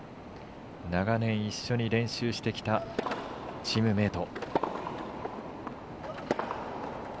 長年一緒に練習してきたチームメート。